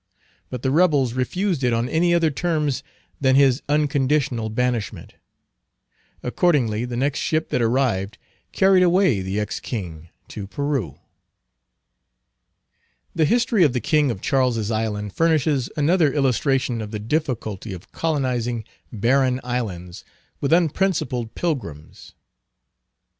But the rebels refused it on any other terms than his unconditional banishment. Accordingly, the next ship that arrived carried away the ex king to Peru. The history of the king of Charles's Island furnishes another illustration of the difficulty of colonizing barren islands with unprincipled pilgrims.